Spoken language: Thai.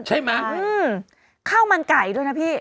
ใช่ไหมข้าวมันไก่ด้วยนะพี่